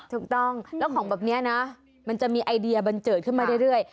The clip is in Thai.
ถูกต้องแล้วของแบบนี้นะมันจะมีไอเดียบันเจิดขึ้นมาเรื่อย